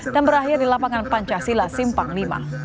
dan berakhir di lapangan pancasila simpang v